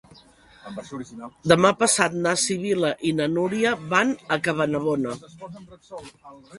Demà passat na Sibil·la i na Núria van a Cabanabona.